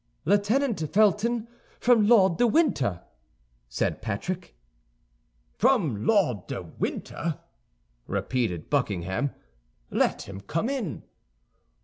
"Lieutenant Felton, from Lord de Winter," said Patrick. "From Lord de Winter!" repeated Buckingham; "let him come in."